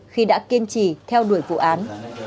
khi đã kiên trì theo đuổi vụ án